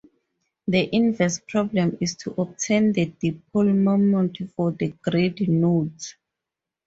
The inverse problem is to obtain the dipole moments for the grid nodes.